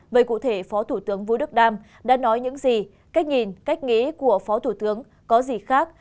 vậy cụ thể phó thủ tướng vũ đức đam đã nói những gì cách nhìn cách nghĩ của phó thủ tướng có gì khác